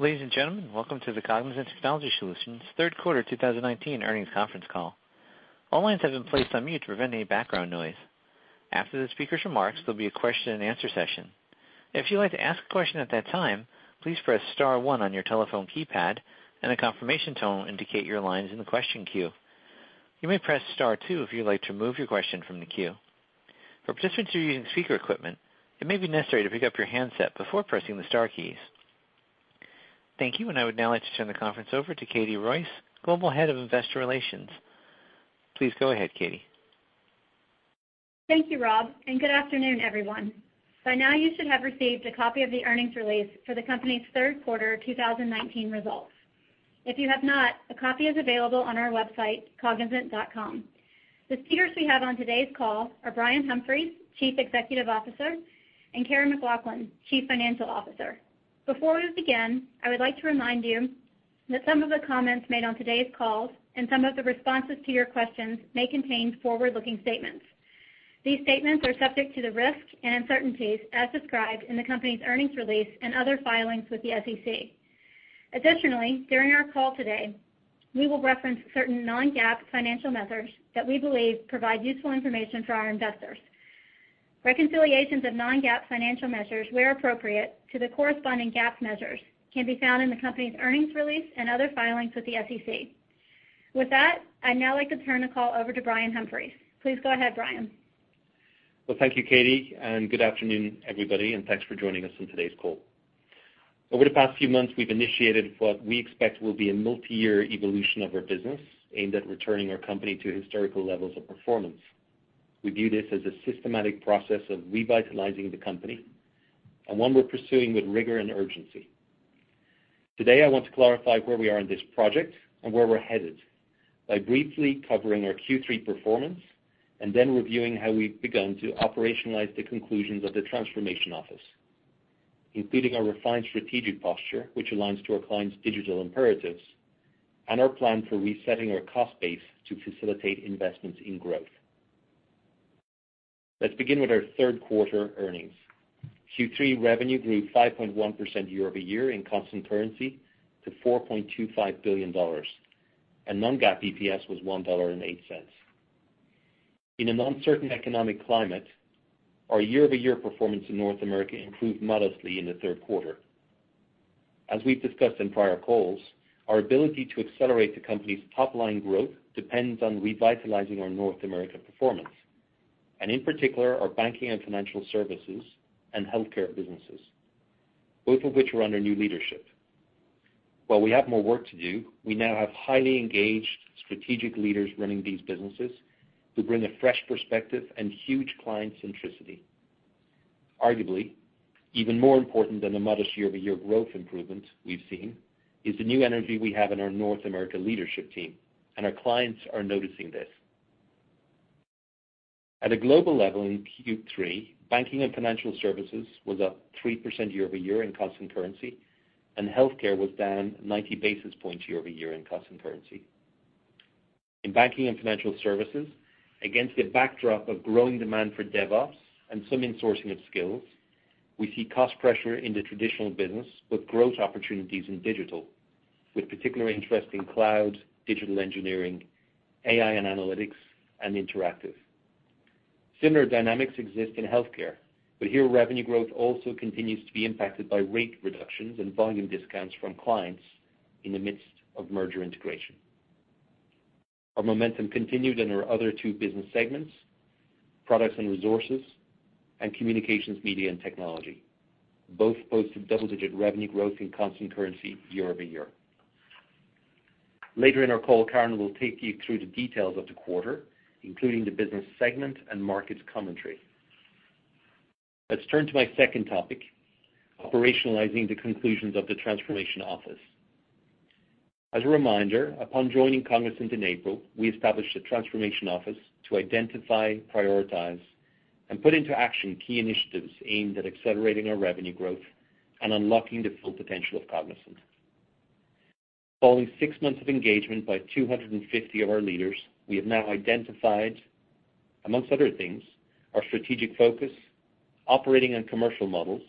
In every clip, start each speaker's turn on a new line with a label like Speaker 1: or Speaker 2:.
Speaker 1: Ladies and gentlemen, welcome to the Cognizant Technology Solutions' third quarter 2019 earnings conference call. All lines have been placed on mute to prevent any background noise. After the speaker's remarks, there'll be a question and answer session. If you'd like to ask a question at that time, please press star one on your telephone keypad, and a confirmation tone will indicate your line is in the question queue. You may press star two if you'd like to remove your question from the queue. For participants who are using speaker equipment, it may be necessary to pick up your handset before pressing the star keys. Thank you, and I would now like to turn the conference over to Katie Royce, Global Head of Investor Relations. Please go ahead, Katie.
Speaker 2: Thank you, Rob, and good afternoon, everyone. By now, you should have received a copy of the earnings release for the company's third quarter 2019 results. If you have not, a copy is available on our website, cognizant.com. The speakers we have on today's call are Brian Humphries, Chief Executive Officer, and Karen McLoughlin, Chief Financial Officer. Before we begin, I would like to remind you that some of the comments made on today's call and some of the responses to your questions may contain forward-looking statements. These statements are subject to the risks and uncertainties as described in the company's earnings release and other filings with the SEC. Additionally, during our call today, we will reference certain non-GAAP financial measures that we believe provide useful information for our investors. Reconciliations of non-GAAP financial measures, where appropriate, to the corresponding GAAP measures can be found in the company's earnings release and other filings with the SEC. With that, I'd now like to turn the call over to Brian Humphries. Please go ahead, Brian.
Speaker 3: Well, thank you, Katie, and good afternoon, everybody, and thanks for joining us on today's call. Over the past few months, we've initiated what we expect will be a multi-year evolution of our business aimed at returning our company to historical levels of performance. We view this as a systematic process of revitalizing the company and one we're pursuing with rigor and urgency. Today, I want to clarify where we are in this project and where we're headed by briefly covering our Q3 performance and then reviewing how we've begun to operationalize the conclusions of the transformation office, including our refined strategic posture, which aligns to our clients' digital imperatives, and our plan for resetting our cost base to facilitate investments in growth. Let's begin with our third quarter earnings. Q3 revenue grew 5.1% year-over-year in constant currency to $4.25 billion. non-GAAP EPS was $1.08. In an uncertain economic climate, our year-over-year performance in North America improved modestly in the third quarter. As we've discussed in prior calls, our ability to accelerate the company's top-line growth depends on revitalizing our North America performance, and in particular, our banking and financial services and healthcare businesses, both of which are under new leadership. While we have more work to do, we now have highly engaged strategic leaders running these businesses who bring a fresh perspective and huge client centricity. Arguably, even more important than the modest year-over-year growth improvement we've seen is the new energy we have in our North America leadership team, and our clients are noticing this. At a global level in Q3, banking and financial services was up 3% year-over-year in constant currency, and healthcare was down 90 basis points year-over-year in constant currency. In banking and financial services, against a backdrop of growing demand for DevOps and some insourcing of skills, we see cost pressure in the traditional business with growth opportunities in digital, with particular interest in cloud, digital engineering, AI and analytics, interactive. Similar dynamics exist in healthcare. Here, revenue growth also continues to be impacted by rate reductions and volume discounts from clients in the midst of merger integration. Our momentum continued in our other two business segments, Products and Resources and Communications, Media, and Technology. Both posted double-digit revenue growth in constant currency year-over-year. Later in our call, Karen will take you through the details of the quarter, including the business segment and markets commentary. Let's turn to my second topic, operationalizing the conclusions of the Transformation Office. As a reminder, upon joining Cognizant in April, we established a transformation office to identify, prioritize, and put into action key initiatives aimed at accelerating our revenue growth and unlocking the full potential of Cognizant. Following 6 months of engagement by 250 of our leaders, we have now identified, amongst other things, our strategic focus, operating and commercial models,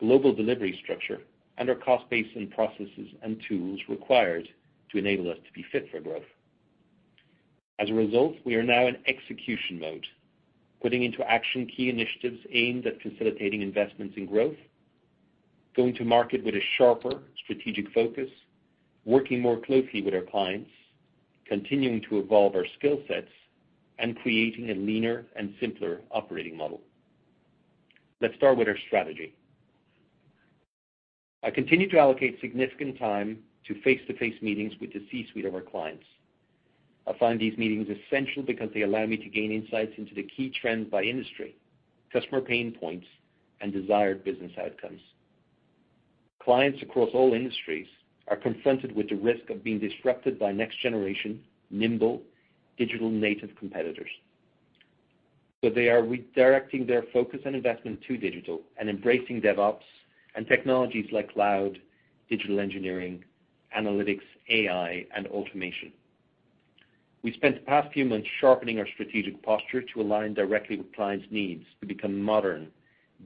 Speaker 3: global delivery structure, and our cost base and processes and tools required to enable us to be Fit for Growth. As a result, we are now in execution mode, putting into action key initiatives aimed at facilitating investments in growth, going to market with a sharper strategic focus, working more closely with our clients, continuing to evolve our skill sets, and creating a leaner and simpler operating model. Let's start with our strategy. I continue to allocate significant time to face-to-face meetings with the C-suite of our clients. I find these meetings essential because they allow me to gain insights into the key trends by industry, customer pain points, and desired business outcomes. Clients across all industries are confronted with the risk of being disrupted by next-generation, nimble, digital native competitors. They are redirecting their focus and investment to digital and embracing DevOps and technologies like cloud, digital engineering, analytics, AI, and automation. We've spent the past few months sharpening our strategic posture to align directly with clients' needs to become modern,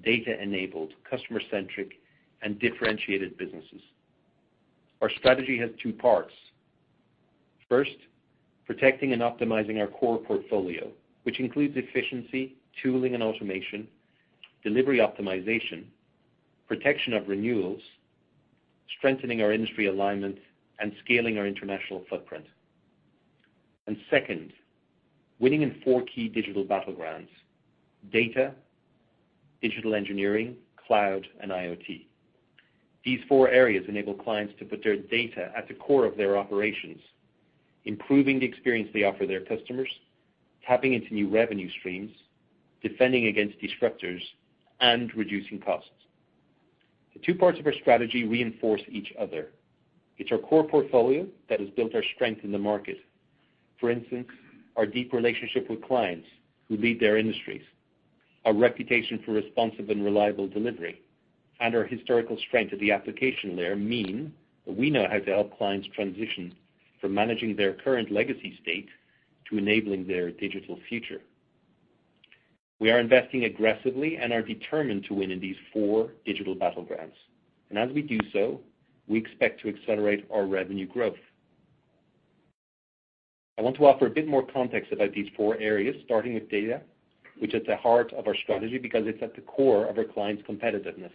Speaker 3: data-enabled, customer-centric, and differentiated businesses. Our strategy has two parts. First, protecting and optimizing our core portfolio, which includes efficiency, tooling and automation, delivery optimization, protection of renewals, strengthening our industry alignment, and scaling our international footprint. Second, winning in four key digital battlegrounds: data, digital engineering, cloud, and IoT. These four areas enable clients to put their data at the core of their operations, improving the experience they offer their customers, tapping into new revenue streams, defending against disruptors, and reducing costs. The two parts of our strategy reinforce each other. It's our core portfolio that has built our strength in the market. For instance, our deep relationship with clients who lead their industries, our reputation for responsive and reliable delivery, and our historical strength at the application layer mean that we know how to help clients transition from managing their current legacy state to enabling their digital future. We are investing aggressively and are determined to win in these four digital battlegrounds. As we do so, we expect to accelerate our revenue growth. I want to offer a bit more context about these four areas, starting with data, which is at the heart of our strategy, because it's at the core of our clients' competitiveness.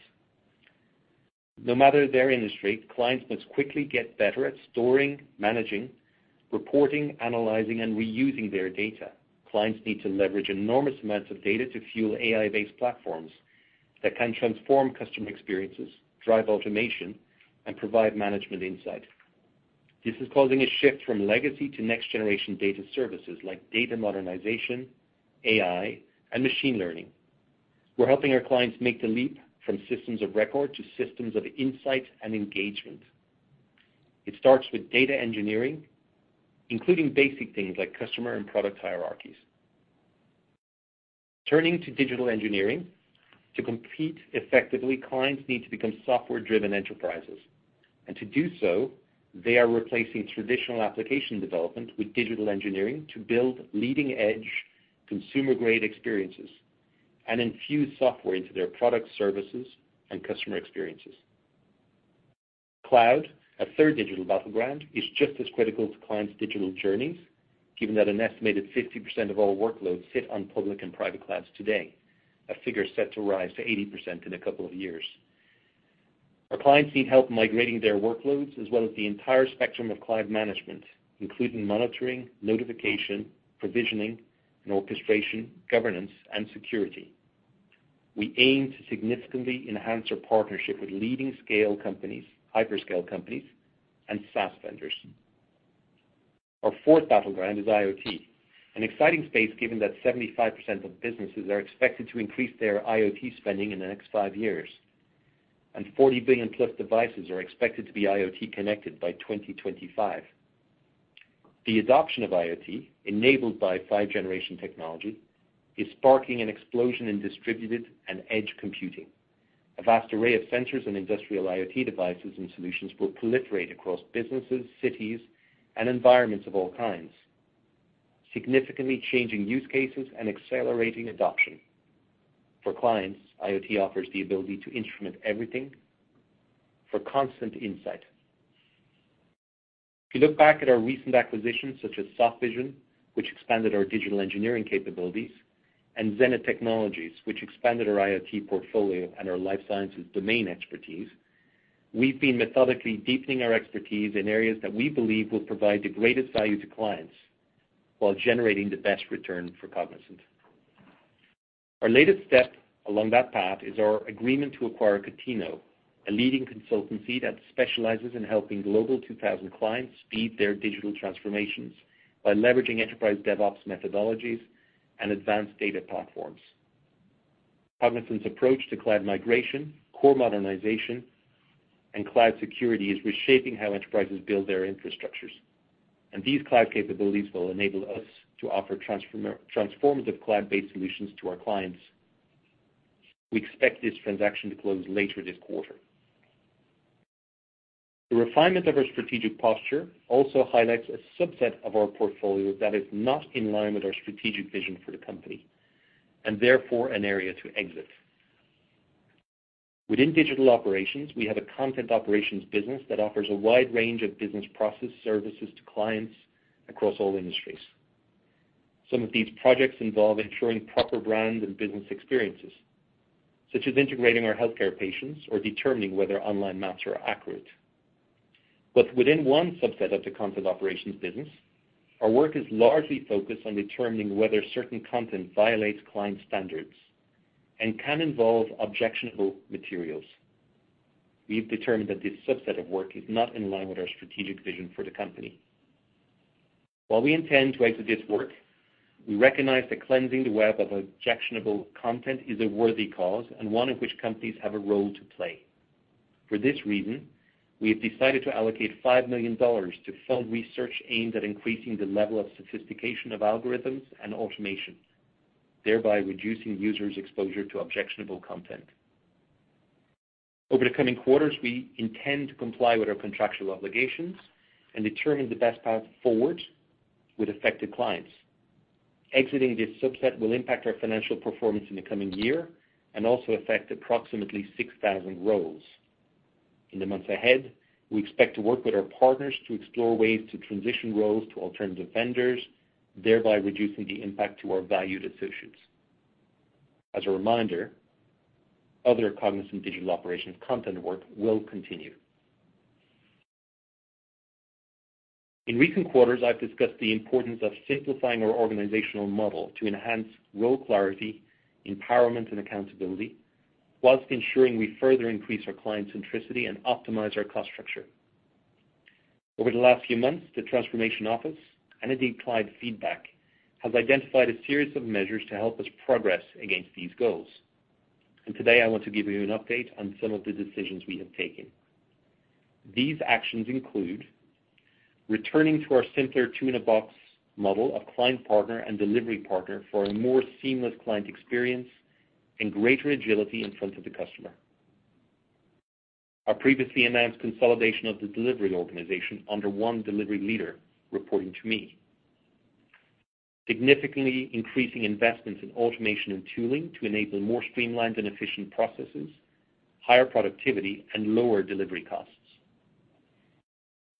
Speaker 3: No matter their industry, clients must quickly get better at storing, managing, reporting, analyzing, and reusing their data. Clients need to leverage enormous amounts of data to fuel AI-based platforms that can transform customer experiences, drive automation, and provide management insight. This is causing a shift from legacy to next-generation data services like data modernization, AI, and machine learning. We're helping our clients make the leap from systems of record to systems of insight and engagement. It starts with data engineering, including basic things like customer and product hierarchies. Turning to digital engineering, to compete effectively, clients need to become software-driven enterprises. To do so, they are replacing traditional application development with digital engineering to build leading-edge consumer-grade experiences and infuse software into their products, services, and customer experiences. Cloud, a third digital battleground, is just as critical to clients' digital journeys, given that an estimated 50% of all workloads sit on public and private clouds today, a figure set to rise to 80% in a couple of years. Our clients need help migrating their workloads as well as the entire spectrum of cloud management, including monitoring, notification, provisioning, and orchestration, governance, and security. We aim to significantly enhance our partnership with leading hyperscale companies and SaaS vendors. Our fourth battleground is IoT, an exciting space given that 75% of businesses are expected to increase their IoT spending in the next five years, and 40 billion plus devices are expected to be IoT connected by 2025. The adoption of IoT, enabled by 5G technology, is sparking an explosion in distributed and edge computing. A vast array of sensors and industrial IoT devices and solutions will proliferate across businesses, cities, and environments of all kinds, significantly changing use cases and accelerating adoption. For clients, IoT offers the ability to instrument everything for constant insight. If you look back at our recent acquisitions, such as Softvision, which expanded our digital engineering capabilities, and Zenith Technologies, which expanded our IoT portfolio and our life sciences domain expertise, we've been methodically deepening our expertise in areas that we believe will provide the greatest value to clients while generating the best return for Cognizant. Our latest step along that path is our agreement to acquire Contino, a leading consultancy that specializes in helping Global 2000 clients speed their digital transformations by leveraging enterprise DevOps methodologies and advanced data platforms. Cognizant's approach to cloud migration, core modernization, and cloud security is reshaping how enterprises build their infrastructures. These cloud capabilities will enable us to offer transformative cloud-based solutions to our clients. We expect this transaction to close later this quarter. The refinement of our strategic posture also highlights a subset of our portfolio that is not in line with our strategic vision for the company, and therefore an area to exit. Within digital operations, we have a content operations business that offers a wide range of business process services to clients across all industries. Some of these projects involve ensuring proper brand and business experiences, such as integrating our healthcare patients or determining whether online maps are accurate. Within one subset of the content operations business, our work is largely focused on determining whether certain content violates clients' standards and can involve objectionable materials. We've determined that this subset of work is not in line with our strategic vision for the company. While we intend to exit this work, we recognize that cleansing the web of objectionable content is a worthy cause and one in which companies have a role to play. For this reason, we have decided to allocate $5 million to fund research aimed at increasing the level of sophistication of algorithms and automation, thereby reducing users' exposure to objectionable content. Over the coming quarters, we intend to comply with our contractual obligations and determine the best path forward with affected clients. Exiting this subset will impact our financial performance in the coming year and also affect approximately 6,000 roles. In the months ahead, we expect to work with our partners to explore ways to transition roles to alternative vendors, thereby reducing the impact to our valued associates. As a reminder, other Cognizant digital operations content work will continue. In recent quarters, I've discussed the importance of simplifying our organizational model to enhance role clarity, empowerment, and accountability whilst ensuring we further increase our client centricity and optimize our cost structure. Over the last few months, the transformation office and indeed, client feedback, has identified a series of measures to help us progress against these goals, and today I want to give you an update on some of the decisions we have taken. These actions include returning to our simpler two-in-a-box model of client partner and delivery partner for a more seamless client experience and greater agility in front of the customer. Our previously announced consolidation of the delivery organization under one delivery leader reporting to me. Significantly increasing investments in automation and tooling to enable more streamlined and efficient processes, higher productivity, and lower delivery costs.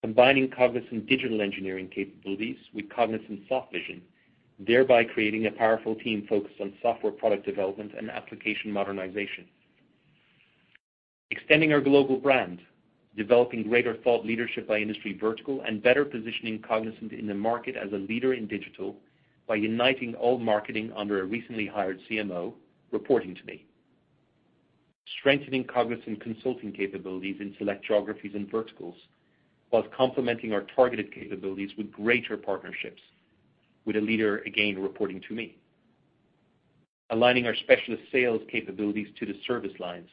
Speaker 3: Combining Cognizant digital engineering capabilities with Cognizant Softvision, thereby creating a powerful team focused on software product development and application modernization. Extending our global brand, developing greater thought leadership by industry vertical, and better positioning Cognizant in the market as a leader in digital by uniting all marketing under a recently hired CMO reporting to me. Strengthening Cognizant consulting capabilities in select geographies and verticals while complementing our targeted capabilities with greater partnerships with a leader, again, reporting to me. Aligning our specialist sales capabilities to the service lines,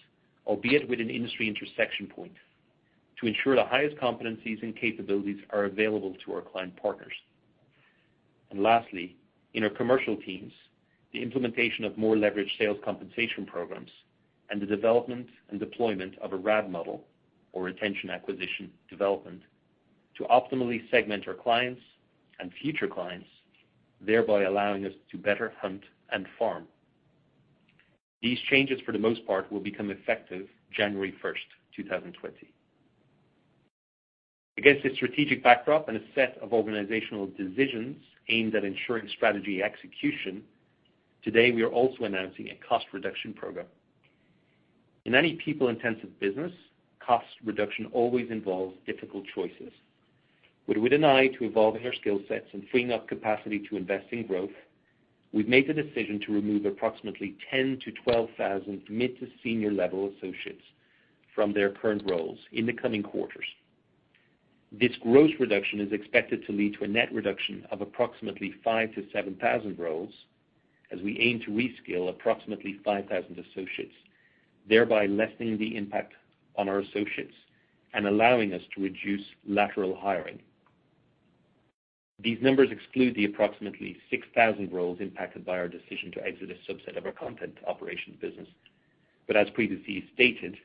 Speaker 3: albeit with an industry intersection point, to ensure the highest competencies and capabilities are available to our client partners. Lastly, in our commercial teams, the implementation of more leveraged sales compensation programs and the development and deployment of a RAD model, or Retention, Acquisition, Development, to optimally segment our clients and future clients, thereby allowing us to better hunt and farm. These changes, for the most part, will become effective January 1st, 2020. Against a strategic backdrop and a set of organizational decisions aimed at ensuring strategy execution, today we are also announcing a cost reduction program. In any people-intensive business, cost reduction always involves difficult choices. With an eye to evolving our skill sets and freeing up capacity to invest in growth, we've made the decision to remove approximately 10 to 12,000 mid to senior-level associates from their current roles in the coming quarters. This gross reduction is expected to lead to a net reduction of approximately 5,000-7,000 roles as we aim to reskill approximately 5,000 associates, thereby lessening the impact on our associates and allowing us to reduce lateral hiring. These numbers exclude the approximately 6,000 roles impacted by our decision to exit a subset of our content operations business. As previously stated,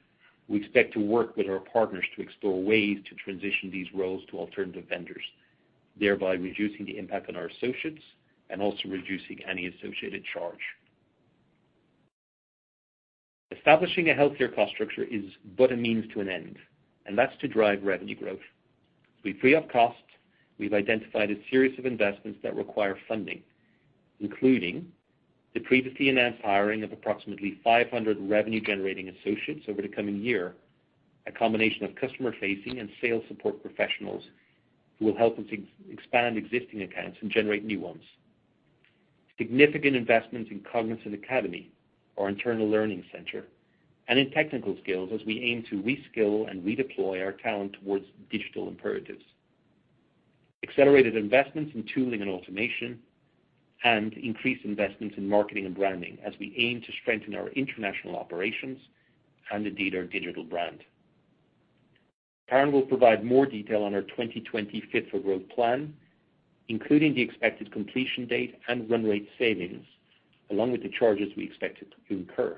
Speaker 3: we expect to work with our partners to explore ways to transition these roles to alternative vendors, thereby reducing the impact on our associates and also reducing any associated charge. Establishing a healthier cost structure is but a means to an end, and that's to drive revenue growth. As we free up costs, we've identified a series of investments that require funding, including the previously announced hiring of approximately 500 revenue-generating associates over the coming year. A combination of customer-facing and sales support professionals who will help us expand existing accounts and generate new ones. Significant investments in Cognizant Academy, our internal learning center, and in technical skills as we aim to reskill and redeploy our talent towards digital imperatives. Accelerated investments in tooling and automation, increased investments in marketing and branding as we aim to strengthen our international operations and indeed, our digital brand. Karen will provide more detail on our 2020 Fit for Growth Plan, including the expected completion date and run rate savings, along with the charges we expected to incur.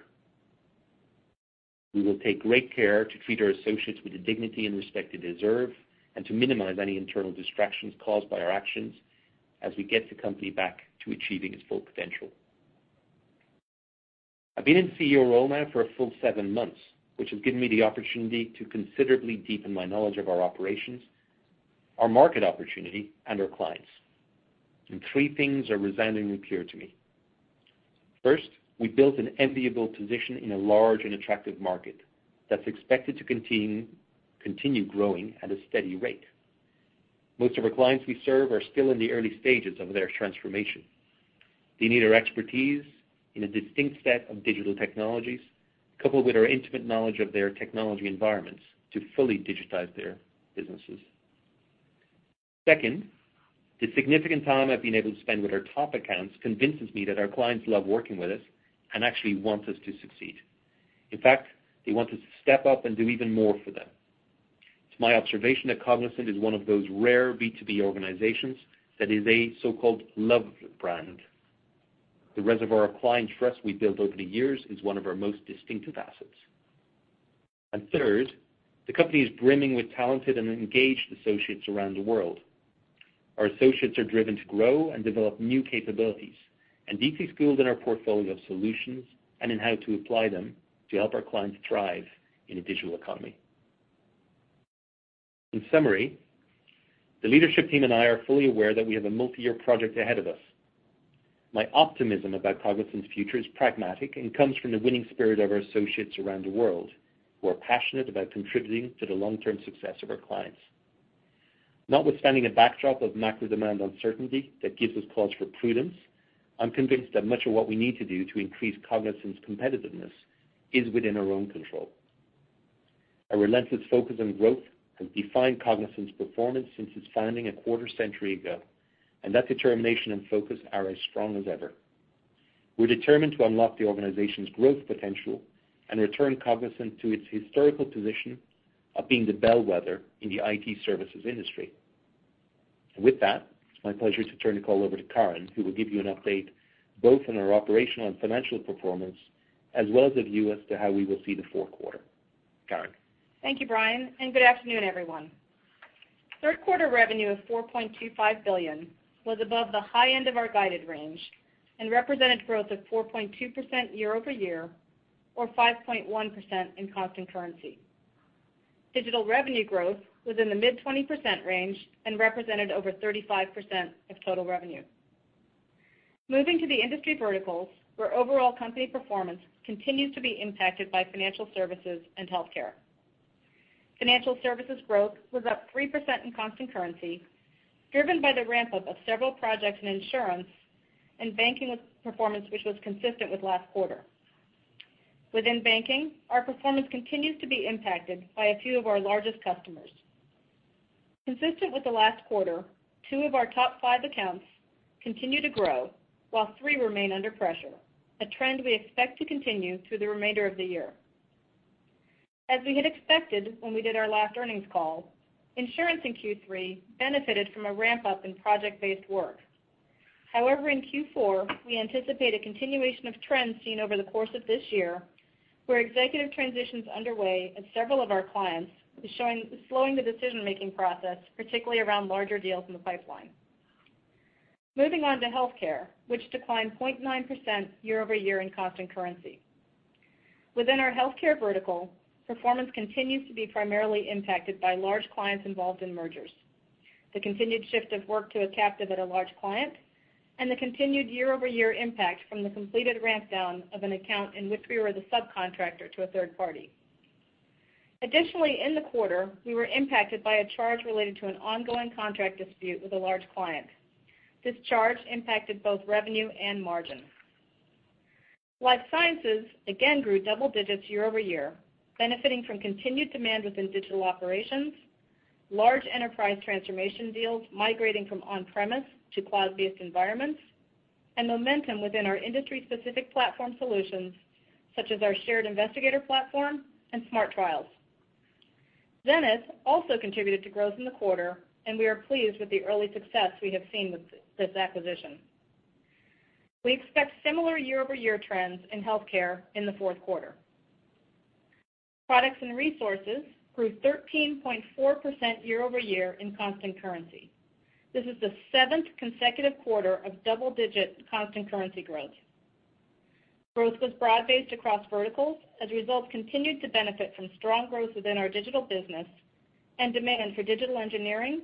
Speaker 3: We will take great care to treat our associates with the dignity and respect they deserve and to minimize any internal distractions caused by our actions as we get the company back to achieving its full potential. I've been in the CEO role now for a full seven months, which has given me the opportunity to considerably deepen my knowledge of our operations, our market opportunity, and our clients, and three things are resoundingly clear to me. First, we built an enviable position in a large and attractive market that's expected to continue growing at a steady rate. Most of our clients we serve are still in the early stages of their transformation. They need our expertise in a distinct set of digital technologies, coupled with our intimate knowledge of their technology environments to fully digitize their businesses. Second, the significant time I've been able to spend with our top accounts convinces me that our clients love working with us and actually want us to succeed. In fact, they want us to step up and do even more for them. It's my observation that Cognizant is one of those rare B2B organizations that is a so-called loved brand. The reservoir of client trust we've built over the years is one of our most distinctive assets. Third, the company is brimming with talented and engaged associates around the world. Our associates are driven to grow and develop new capabilities and deeply skilled in our portfolio of solutions and in how to apply them to help our clients thrive in a digital economy. In summary, the leadership team and I are fully aware that we have a multi-year project ahead of us. My optimism about Cognizant's future is pragmatic and comes from the winning spirit of our associates around the world, who are passionate about contributing to the long-term success of our clients. Notwithstanding a backdrop of macro demand uncertainty that gives us cause for prudence, I'm convinced that much of what we need to do to increase Cognizant's competitiveness is within our own control. A relentless focus on growth has defined Cognizant's performance since its founding a quarter century ago, and that determination and focus are as strong as ever. We're determined to unlock the organization's growth potential and return Cognizant to its historical position of being the bellwether in the IT services industry. With that, it's my pleasure to turn the call over to Karen, who will give you an update both on our operational and financial performance, as well as a view as to how we will see the fourth quarter. Karen?
Speaker 4: Thank you, Brian, and good afternoon, everyone. Third quarter revenue of $4.25 billion was above the high end of our guided range and represented growth of 4.2% year-over-year or 5.1% in constant currency. Digital revenue growth was in the mid-20% range and represented over 35% of total revenue. Moving to the industry verticals, where overall company performance continues to be impacted by financial services and healthcare. Financial services growth was up 3% in constant currency, driven by the ramp-up of several projects in insurance and banking performance, which was consistent with last quarter. Within banking, our performance continues to be impacted by a few of our largest customers. Consistent with the last quarter, two of our top five accounts continue to grow while three remain under pressure, a trend we expect to continue through the remainder of the year. As we had expected when we did our last earnings call, insurance in Q3 benefited from a ramp-up in project-based work. However, in Q4, we anticipate a continuation of trends seen over the course of this year, where executive transitions underway at several of our clients is slowing the decision-making process, particularly around larger deals in the pipeline. Moving on to healthcare, which declined 0.9% year-over-year in constant currency. Within our healthcare vertical, performance continues to be primarily impacted by large clients involved in mergers, the continued shift of work to a captive at a large client, and the continued year-over-year impact from the completed ramp-down of an account in which we were the subcontractor to a third party. Additionally, in the quarter, we were impacted by a charge related to an ongoing contract dispute with a large client. This charge impacted both revenue and margin. Life sciences again grew double digits year-over-year, benefiting from continued demand within digital operations, large enterprise transformation deals migrating from on-premise to cloud-based environments, and momentum within our industry-specific platform solutions, such as our shared investigator platform and smart trials. Zenith also contributed to growth in the quarter, and we are pleased with the early success we have seen with this acquisition. We expect similar year-over-year trends in healthcare in the fourth quarter. Products and resources grew 13.4% year-over-year in constant currency. This is the seventh consecutive quarter of double-digit constant currency growth. Growth was broad-based across verticals as a result continued to benefit from strong growth within our digital business and demand for digital engineering,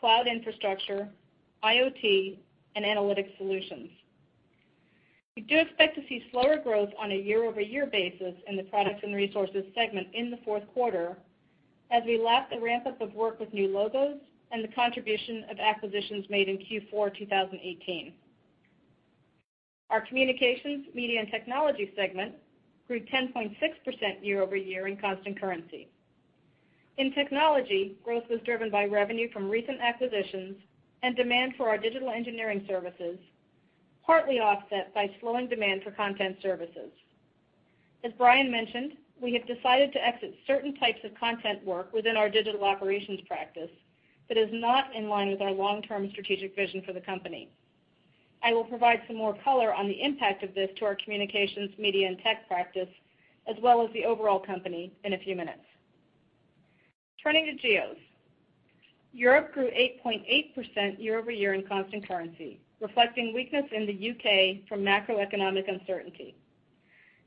Speaker 4: cloud infrastructure, IoT, and analytics solutions. We do expect to see slower growth on a year-over-year basis in the products and resources segment in the fourth quarter as we lap the ramp-up of work with new logos and the contribution of acquisitions made in Q4 2018. Our Communications, Media, and Technology segment grew 10.6% year-over-year in constant currency. In technology, growth was driven by revenue from recent acquisitions and demand for our digital engineering services, partly offset by slowing demand for content services. As Brian mentioned, we have decided to exit certain types of content work within our digital operations practice that is not in line with our long-term strategic vision for the company. I will provide some more color on the impact of this to our Communications, Media, and Tech practice, as well as the overall company in a few minutes. Turning to geos. Europe grew 8.8% year-over-year in constant currency, reflecting weakness in the U.K. from macroeconomic uncertainty.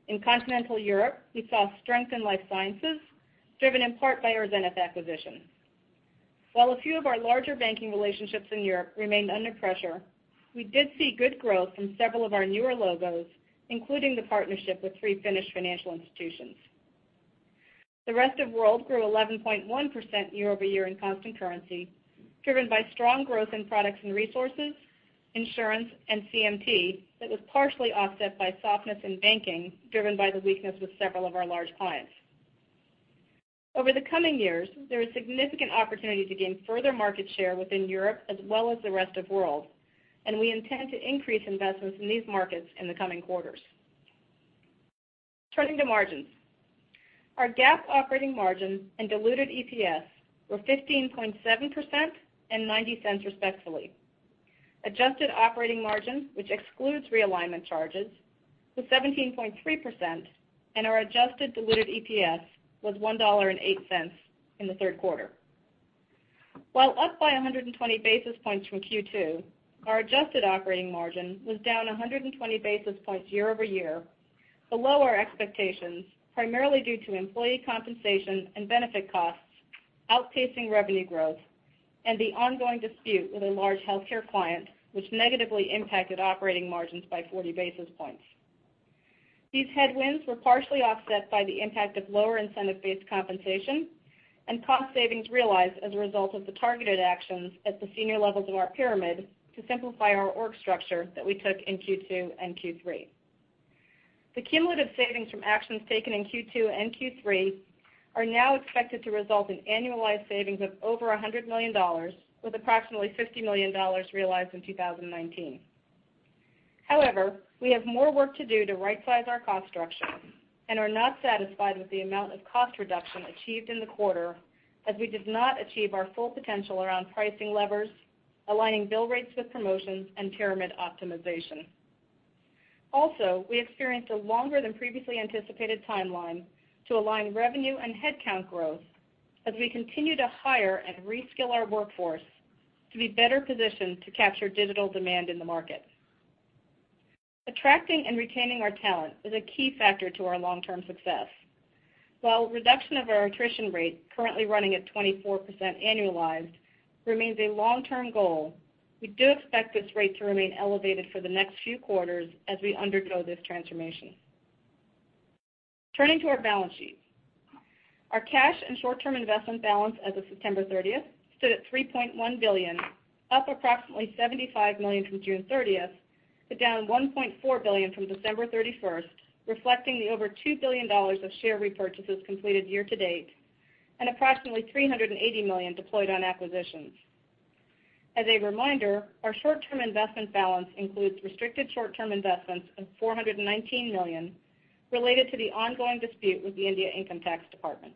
Speaker 4: In continental Europe, we saw strength in life sciences, driven in part by our Zenith acquisition. While a few of our larger banking relationships in Europe remained under pressure, we did see good growth from several of our newer logos, including the partnership with three Finnish financial institutions. The Rest of World grew 11.1% year-over-year in constant currency, driven by strong growth in products and resources, insurance, and CMT that was partially offset by softness in banking, driven by the weakness with several of our large clients. Over the coming years, there is significant opportunity to gain further market share within Europe as well as the Rest of World, we intend to increase investments in these markets in the coming quarters. Turning to margins. Our GAAP operating margin and diluted EPS were 15.7% and $0.90, respectively. Adjusted operating margin, which excludes realignment charges, was 17.3%, and our adjusted diluted EPS was $1.08 in the third quarter. While up by 120 basis points from Q2, our adjusted operating margin was down 120 basis points year-over-year, below our expectations, primarily due to employee compensation and benefit costs outpacing revenue growth and the ongoing dispute with a large healthcare client, which negatively impacted operating margins by 40 basis points. These headwinds were partially offset by the impact of lower incentive-based compensation and cost savings realized as a result of the targeted actions at the senior levels of our pyramid to simplify our org structure that we took in Q2 and Q3. The cumulative savings from actions taken in Q2 and Q3 are now expected to result in annualized savings of over $100 million, with approximately $50 million realized in 2019. We have more work to do to right-size our cost structure and are not satisfied with the amount of cost reduction achieved in the quarter, as we did not achieve our full potential around pricing levers, aligning bill rates with promotions, and pyramid optimization. We experienced a longer than previously anticipated timeline to align revenue and headcount growth as we continue to hire and reskill our workforce to be better positioned to capture digital demand in the market. Attracting and retaining our talent is a key factor to our long-term success. While reduction of our attrition rate, currently running at 24% annualized, remains a long-term goal, we do expect this rate to remain elevated for the next few quarters as we undergo this transformation. Turning to our balance sheet. Our cash and short-term investment balance as of September 30th stood at $3.1 billion, up approximately $75 million from June 30th, but down $1.4 billion from December 31st, reflecting the over $2 billion of share repurchases completed year to date and approximately $380 million deployed on acquisitions. As a reminder, our short-term investment balance includes restricted short-term investments of $419 million related to the ongoing dispute with the India Income Tax Department.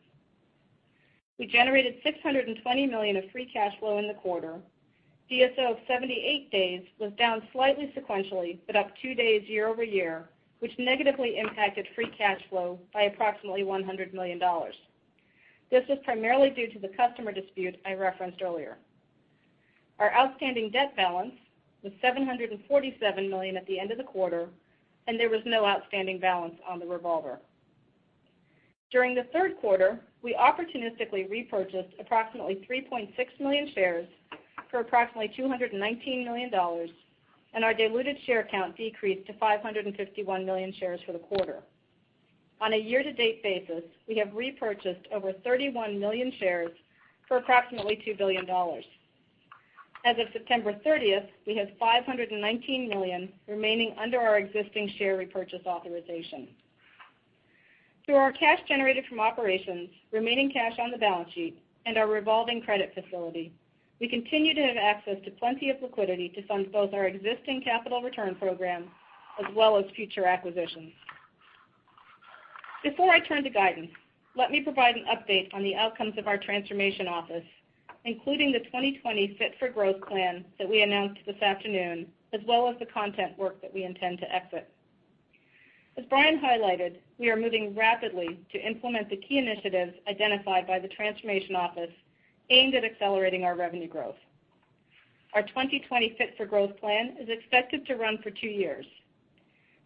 Speaker 4: We generated $620 million of free cash flow in the quarter. DSO of 78 days was down slightly sequentially, but up two days year-over-year, which negatively impacted free cash flow by approximately $100 million. This was primarily due to the customer dispute I referenced earlier. Our outstanding debt balance was $747 million at the end of the quarter, and there was no outstanding balance on the revolver. During the third quarter, we opportunistically repurchased approximately 3.6 million shares for approximately $219 million, and our diluted share count decreased to 551 million shares for the quarter. On a year-to-date basis, we have repurchased over 31 million shares for approximately $2 billion. As of September 30th, we have $519 million remaining under our existing share repurchase authorization. Through our cash generated from operations, remaining cash on the balance sheet, and our revolving credit facility, we continue to have access to plenty of liquidity to fund both our existing capital return program as well as future acquisitions. Before I turn to guidance, let me provide an update on the outcomes of our transformation office, including the 2020 Fit for Growth Plan that we announced this afternoon, as well as the content work that we intend to exit. As Brian highlighted, we are moving rapidly to implement the key initiatives identified by the transformation office aimed at accelerating our revenue growth. Our 2020 Fit for Growth Plan is expected to run for two years.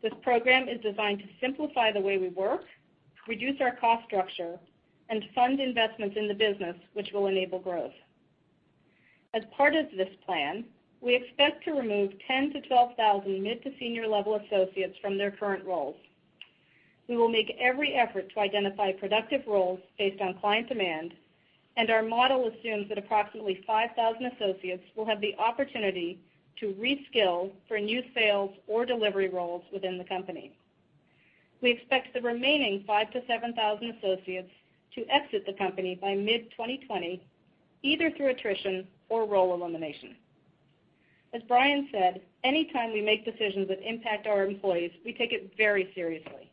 Speaker 4: This program is designed to simplify the way we work, reduce our cost structure, and fund investments in the business, which will enable growth. As part of this plan, we expect to remove 10,000-12,000 mid to senior-level associates from their current roles. We will make every effort to identify productive roles based on client demand. Our model assumes that approximately 5,000 associates will have the opportunity to reskill for new sales or delivery roles within the company. We expect the remaining 5,000 to 7,000 associates to exit the company by mid-2020, either through attrition or role elimination. As Brian said, anytime we make decisions that impact our employees, we take it very seriously.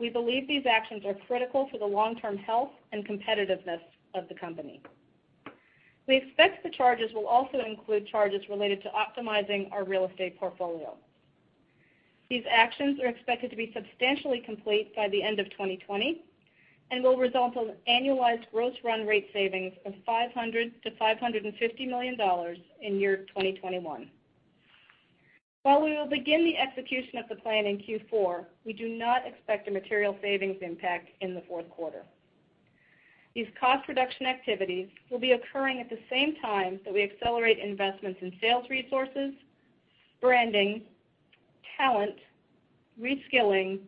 Speaker 4: We believe these actions are critical for the long-term health and competitiveness of the company. We expect the charges will also include charges related to optimizing our real estate portfolio. These actions are expected to be substantially complete by the end of 2020 and will result in annualized gross run rate savings of $500 million-$550 million in 2021. While we will begin the execution of the plan in Q4, we do not expect a material savings impact in the fourth quarter. These cost reduction activities will be occurring at the same time that we accelerate investments in sales resources, branding, talent, reskilling,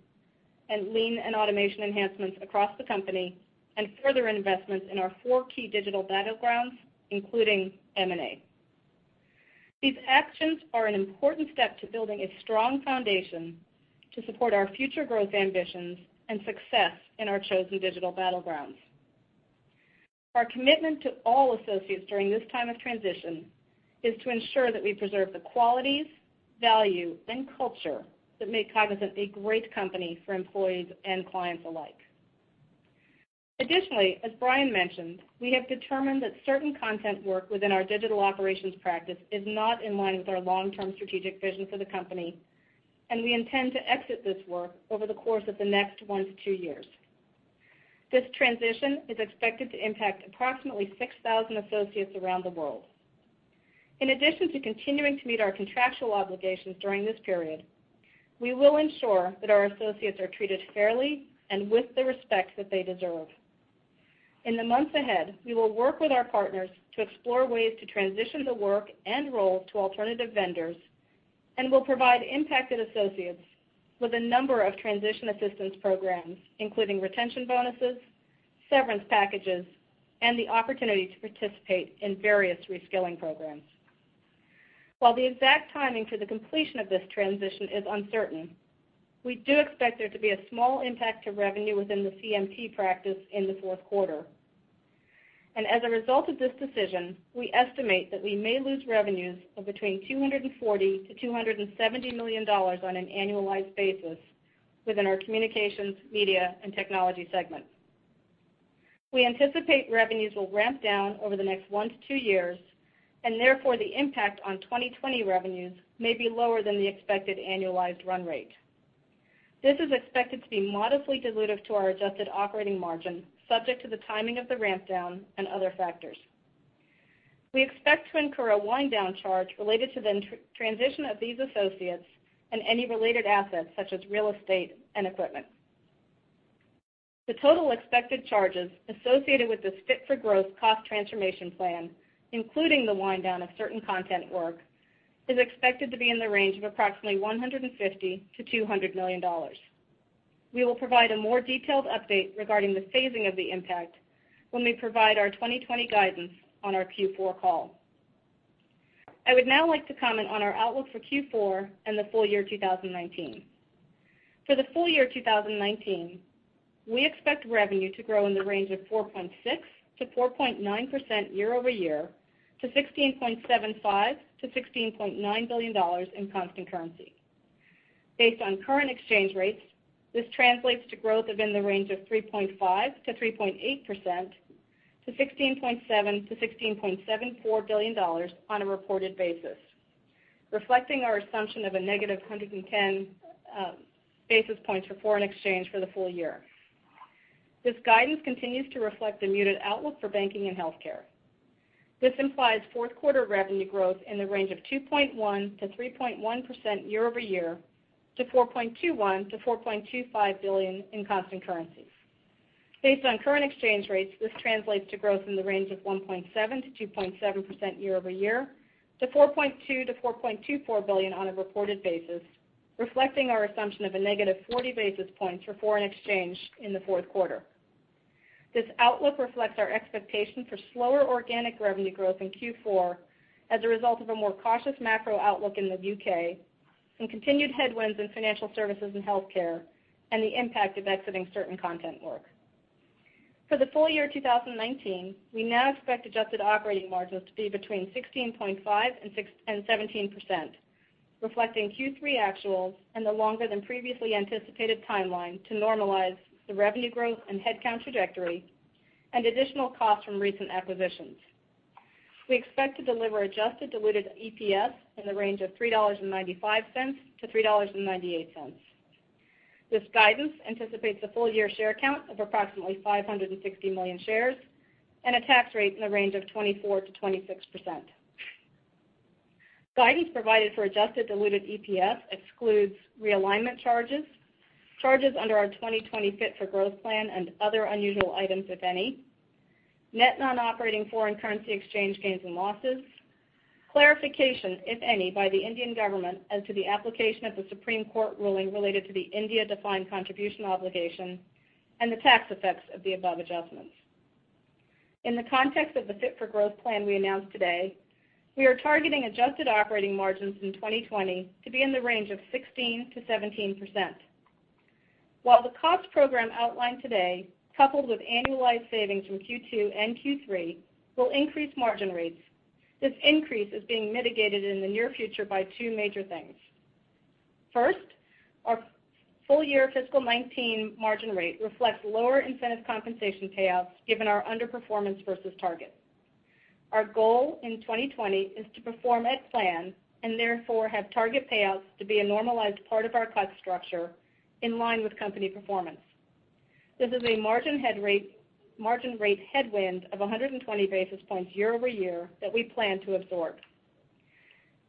Speaker 4: and lean and automation enhancements across the company, and further investments in our four key digital battlegrounds, including M&A. These actions are an important step to building a strong foundation to support our future growth ambitions and success in our chosen digital battlegrounds. Our commitment to all associates during this time of transition is to ensure that we preserve the qualities, value, and culture that make Cognizant a great company for employees and clients alike. Additionally, as Brian mentioned, we have determined that certain content work within our digital operations practice is not in line with our long-term strategic vision for the company, and we intend to exit this work over the course of the next one to two years. This transition is expected to impact approximately 6,000 associates around the world. In addition to continuing to meet our contractual obligations during this period, we will ensure that our associates are treated fairly and with the respect that they deserve. In the months ahead, we will work with our partners to explore ways to transition the work and role to alternative vendors and will provide impacted associates with a number of transition assistance programs, including retention bonuses, severance packages, and the opportunity to participate in various reskilling programs. While the exact timing for the completion of this transition is uncertain, we do expect there to be a small impact to revenue within the CMT practice in the fourth quarter. As a result of this decision, we estimate that we may lose revenues of between $240 million-$270 million on an annualized basis within our Communications, Media, and Technology segments. We anticipate revenues will ramp down over the next one to two years, therefore, the impact on 2020 revenues may be lower than the expected annualized run rate. This is expected to be modestly dilutive to our adjusted operating margin, subject to the timing of the ramp down and other factors. We expect to incur a wind-down charge related to the transition of these associates and any related assets, such as real estate and equipment. The total expected charges associated with this Fit for Growth cost transformation plan, including the wind-down of certain content work, is expected to be in the range of approximately $150 million-$200 million. We will provide a more detailed update regarding the phasing of the impact when we provide our 2020 guidance on our Q4 call. I would now like to comment on our outlook for Q4 and the full year 2019. For the full year 2019, we expect revenue to grow in the range of 4.6%-4.9% year-over-year to $16.75 billion-$16.9 billion in constant currency. Based on current exchange rates, this translates to growth within the range of 3.5%-3.8% to $16.7 billion-$16.74 billion on a reported basis, reflecting our assumption of a negative 110 basis points for foreign exchange for the full year. This guidance continues to reflect a muted outlook for banking and healthcare. This implies fourth quarter revenue growth in the range of 2.1%-3.1% year-over-year to $4.21 billion-$4.25 billion in constant currency. Based on current exchange rates, this translates to growth in the range of 1.7%-2.7% year-over-year to $4.2 billion-$4.24 billion on a reported basis, reflecting our assumption of a negative 40 basis points for foreign exchange in the fourth quarter. This outlook reflects our expectation for slower organic revenue growth in Q4 as a result of a more cautious macro outlook in the U.K. and continued headwinds in financial services and healthcare and the impact of exiting certain content work. For the full year 2019, we now expect adjusted operating margins to be between 16.5% and 17%, reflecting Q3 actuals and the longer than previously anticipated timeline to normalize the revenue growth and headcount trajectory and additional costs from recent acquisitions. We expect to deliver adjusted diluted EPS in the range of $3.95-$3.98. This guidance anticipates a full-year share count of approximately 560 million shares and a tax rate in the range of 24%-26%. Guidance provided for adjusted diluted EPS excludes realignment charges under our 2020 Fit for Growth Plan and other unusual items, if any, net non-operating foreign currency exchange gains and losses, clarification, if any, by the Indian government as to the application of the Supreme Court ruling related to the India defined contribution obligation, and the tax effects of the above adjustments. In the context of the Fit for Growth plan we announced today, we are targeting adjusted operating margins in 2020 to be in the range of 16%-17%. While the cost program outlined today, coupled with annualized savings from Q2 and Q3, will increase margin rates, this increase is being mitigated in the near future by two major things. First, our full year fiscal 2019 margin rate reflects lower incentive compensation payouts given our underperformance versus targets. Our goal in 2020 is to perform at plan and therefore have target payouts to be a normalized part of our cost structure in line with company performance. This is a margin rate headwind of 120 basis points year-over-year that we plan to absorb.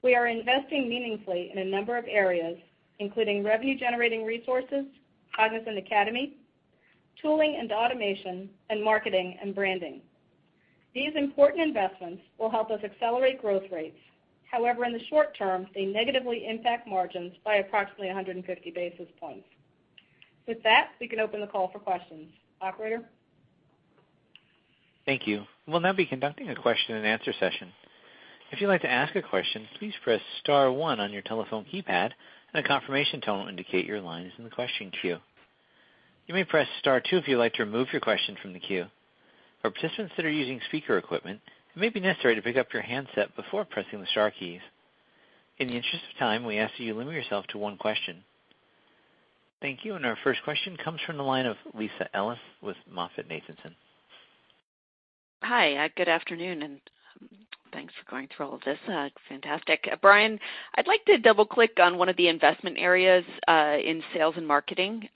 Speaker 4: We are investing meaningfully in a number of areas, including revenue-generating resources, Cognizant Academy, tooling and automation, and marketing and branding. These important investments will help us accelerate growth rates. In the short term, they negatively impact margins by approximately 150 basis points. With that, we can open the call for questions. Operator?
Speaker 1: Thank you. We'll now be conducting a question-and-answer session. If you'd like to ask a question, please press star one on your telephone keypad and a confirmation tone will indicate your line is in the question queue. You may press star two if you'd like to remove your question from the queue. For participants that are using speaker equipment, it may be necessary to pick up your handset before pressing the star keys. In the interest of time, we ask that you limit yourself to one question. Thank you. Our first question comes from the line of Lisa Ellis with MoffettNathanson.
Speaker 5: Hi. Good afternoon. Thanks for going through all of this. Fantastic. Brian, I'd like to double-click on one of the investment areas in sales and marketing.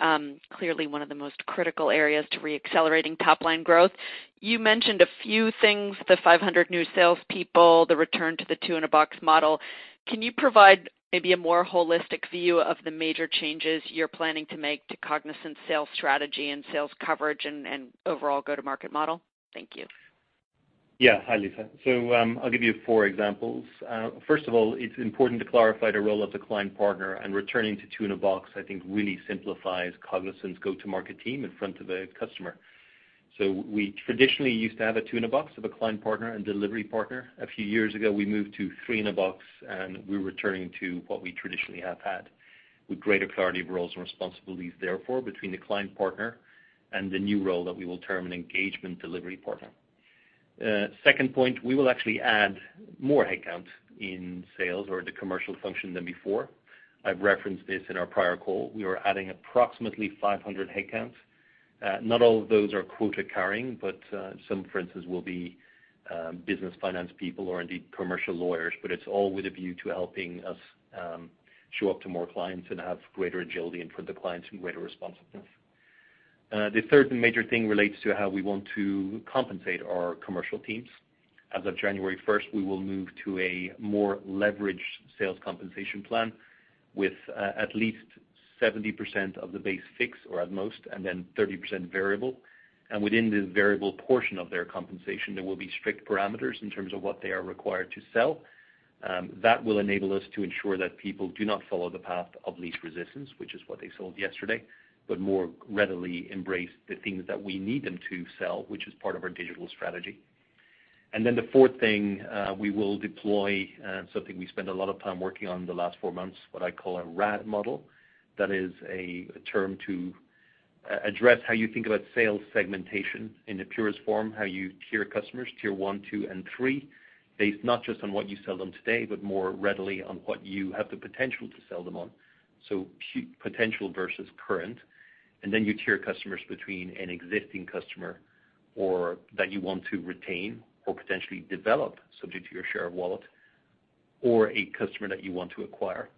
Speaker 5: Clearly one of the most critical areas to re-accelerating top-line growth. You mentioned a few things, the 500 new salespeople, the return to the two-in-a-box model. Can you provide maybe a more holistic view of the major changes you're planning to make to Cognizant sales strategy and sales coverage and overall go-to-market model? Thank you.
Speaker 3: Yeah. Hi, Lisa. I'll give you four examples. First of all, it's important to clarify the role of the client partner and returning to two-in-a-box, I think, really simplifies Cognizant's go-to-market team in front of a customer. We traditionally used to have a two-in-a-box of a client partner and delivery partner. A few years ago, we moved to three-in-a-box and we're returning to what we traditionally have had with greater clarity of roles and responsibilities therefore between the client partner and the new role that we will term an engagement delivery partner. Second point, we will actually add more headcount in sales or the commercial function than before. I've referenced this in our prior call. We are adding approximately 500 headcounts. Not all of those are quota-carrying, but some, for instance, will be business finance people or indeed commercial lawyers, but it's all with a view to helping us show up to more clients and have greater agility in front of the clients and greater responsiveness. The third and major thing relates to how we want to compensate our commercial teams. As of January 1st, we will move to a more leveraged sales compensation plan with at least 70% of the base fix or at most, and then 30% variable. Within this variable portion of their compensation, there will be strict parameters in terms of what they are required to sell. That will enable us to ensure that people do not follow the path of least resistance, which is what they sold yesterday, but more readily embrace the things that we need them to sell, which is part of our digital strategy. The fourth thing, we will deploy something we spent a lot of time working on the last four months, what I call a RAD model. That is a term to address how you think about sales segmentation in the purest form, how you tier customers, tier 1, 2, and 3, based not just on what you sell them today, but more readily on what you have the potential to sell them on. Potential versus current. Then you tier customers between an existing customer, or that you want to retain or potentially develop subject to your share of wallet, or a customer that you want to acquire.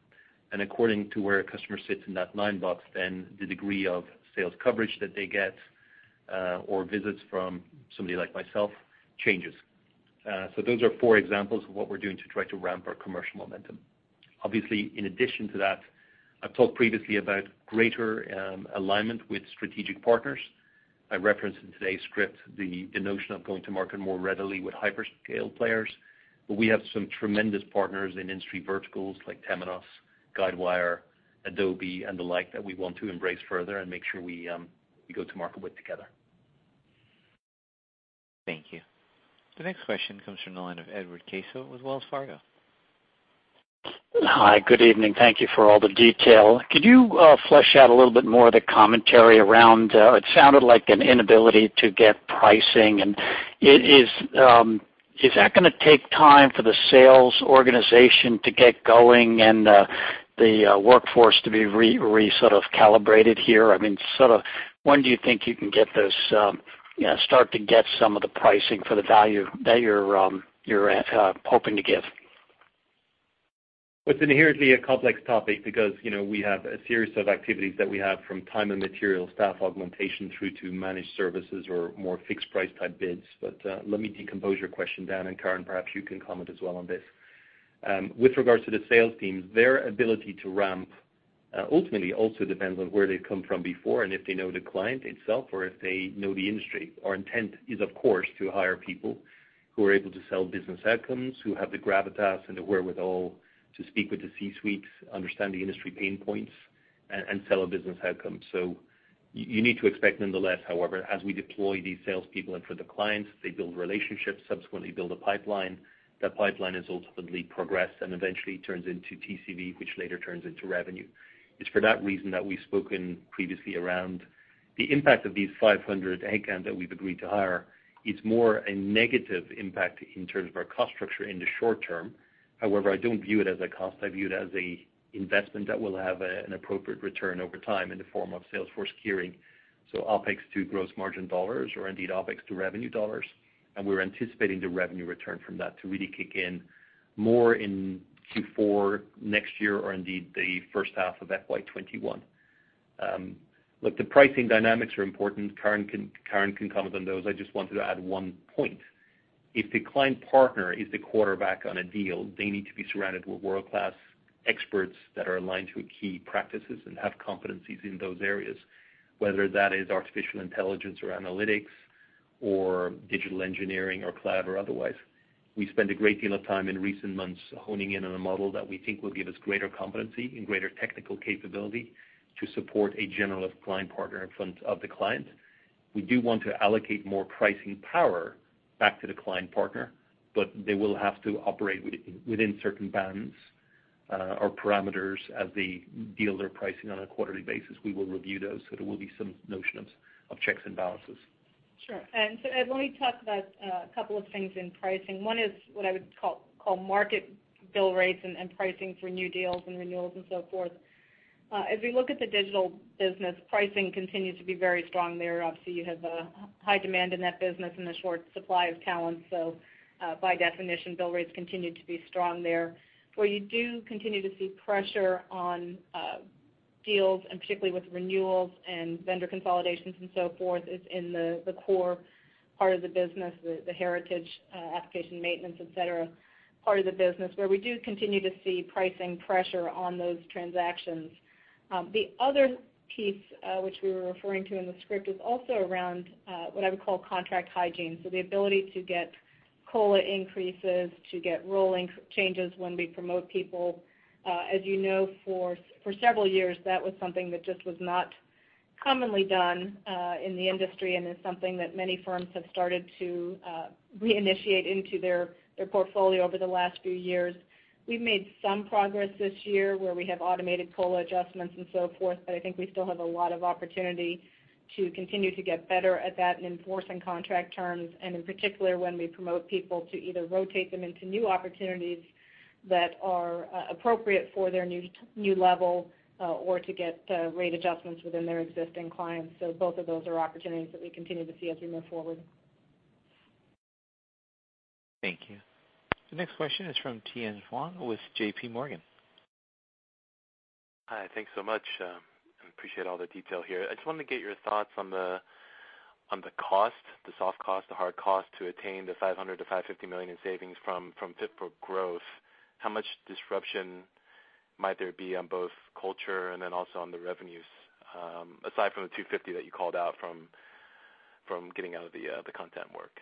Speaker 3: According to where a customer sits in that nine-box, then the degree of sales coverage that they get, or visits from somebody like myself changes. Those are four examples of what we're doing to try to ramp our commercial momentum. Obviously, in addition to that, I've talked previously about greater alignment with strategic partners. I referenced in today's script the notion of going to market more readily with hyperscale players. We have some tremendous partners in industry verticals like Temenos, Guidewire, Adobe, and the like that we want to embrace further and make sure we go to market with together.
Speaker 1: Thank you. The next question comes from the line of Edward Caso with Wells Fargo.
Speaker 6: Hi. Good evening. Thank you for all the detail. Could you flesh out a little bit more of the commentary around It sounded like an inability to get pricing? Is that going to take time for the sales organization to get going and the workforce to be re-calibrated here? When do you think you can start to get some of the pricing for the value that you're hoping to give?
Speaker 3: It's inherently a complex topic because we have a series of activities that we have from time and material staff augmentation through to managed services or more fixed price-type bids. Let me decompose your question down, and Karen, perhaps you can comment as well on this. With regards to the sales teams, their ability to ramp, ultimately also depends on where they've come from before and if they know the client itself or if they know the industry. Our intent is, of course, to hire people who are able to sell business outcomes, who have the gravitas and the wherewithal to speak with the C-suites, understand the industry pain points, and sell a business outcome. You need to expect nonetheless, however, as we deploy these salespeople and for the clients, they build relationships, subsequently build a pipeline. That pipeline is ultimately progressed and eventually turns into TCV, which later turns into revenue. It's for that reason that we've spoken previously around the impact of these 500 headcount that we've agreed to hire is more a negative impact in terms of our cost structure in the short term. I don't view it as a cost. I view it as a investment that will have an appropriate return over time in the form of sales force hiring. OpEx to gross margin dollars or indeed OpEx to revenue dollars, and we're anticipating the revenue return from that to really kick in more in Q4 next year or indeed the first half of FY 2021. The pricing dynamics are important. Karen can comment on those. I just wanted to add one point. If the client partner is the quarterback on a deal, they need to be surrounded with world-class experts that are aligned to key practices and have competencies in those areas, whether that is artificial intelligence or analytics or digital engineering or cloud or otherwise. We spent a great deal of time in recent months honing in on a model that we think will give us greater competency and greater technical capability to support a generalist client partner in front of the client. We do want to allocate more pricing power back to the client partner, but they will have to operate within certain bands or parameters as the dealer pricing. On a quarterly basis, we will review those, so there will be some notion of checks and balances.
Speaker 4: Sure. Ed, let me talk about a couple of things in pricing. One is what I would call market bill rates and pricing for new deals and renewals and so forth. As we look at the digital business, pricing continues to be very strong there. Obviously, you have a high demand in that business and a short supply of talent. By definition, bill rates continue to be strong there. Where you do continue to see pressure on deals, and particularly with renewals and vendor consolidations and so forth, is in the core part of the business, the heritage application maintenance, et cetera, part of the business, where we do continue to see pricing pressure on those transactions. The other piece which we were referring to in the script is also around what I would call contract hygiene, so the ability to get COLA increases, to get rolling changes when we promote people. As you know, for several years, that was something that just was not commonly done in the industry and is something that many firms have started to re-initiate into their portfolio over the last few years. We've made some progress this year where we have automated COLA adjustments and so forth, but I think we still have a lot of opportunity to continue to get better at that and enforcing contract terms, and in particular, when we promote people to either rotate them into new opportunities that are appropriate for their new level or to get rate adjustments within their existing clients. Both of those are opportunities that we continue to see as we move forward.
Speaker 1: Thank you. The next question is from Tien Huang with JPMorgan.
Speaker 7: Hi, thanks so much. I appreciate all the detail here. I just wanted to get your thoughts on the cost, the soft cost, the hard cost to attain the $500 million to $550 million in savings from Fit for Growth. How much disruption might there be on both culture and then also on the revenues, aside from the $250 that you called out from getting out of the content work?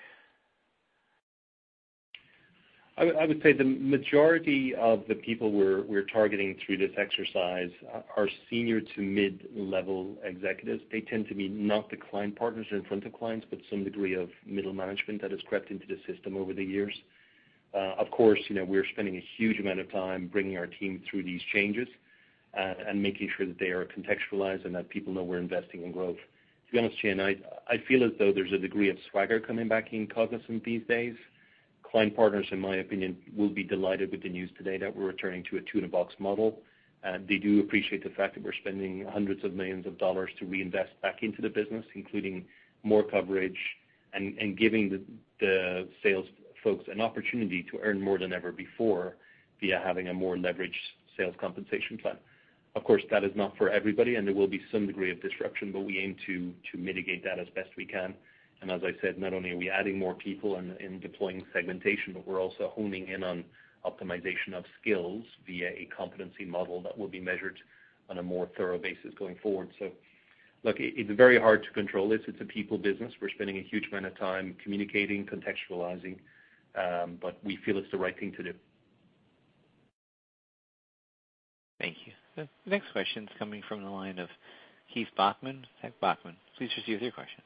Speaker 3: I would say the majority of the people we're targeting through this exercise are senior to mid-level executives. They tend to be not the client partners in front of clients, but some degree of middle management that has crept into the system over the years. Of course, we're spending a huge amount of time bringing our team through these changes and making sure that they are contextualized and that people know we're investing in growth. To be honest, Tien, I feel as though there's a degree of swagger coming back in Cognizant these days. Client partners, in my opinion, will be delighted with the news today that we're returning to a two-in-a-box model. They do appreciate the fact that we're spending $hundreds of millions to reinvest back into the business, including more coverage and giving the sales folks an opportunity to earn more than ever before via having a more leveraged sales compensation plan. That is not for everybody, and there will be some degree of disruption, but we aim to mitigate that as best we can. As I said, not only are we adding more people and deploying segmentation, but we're also honing in on optimization of skills via a competency model that will be measured on a more thorough basis going forward. Look, it's very hard to control this. It's a people business. We're spending a huge amount of time communicating, contextualizing, but we feel it's the right thing to do.
Speaker 1: Thank you. The next question is coming from the line of Keith Bachman at BMO. Please proceed with your question.